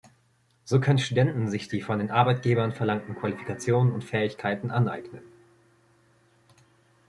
So können Studenten sich die von den Arbeitgebern verlangten Qualifikationen und Fähigkeiten aneignen.